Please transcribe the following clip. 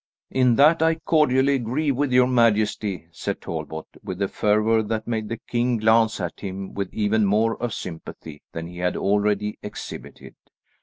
"In that I cordially agree with your majesty," said Talbot, with a fervour that made the king glance at him with even more of sympathy than he had already exhibited.